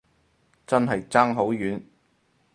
真係爭好遠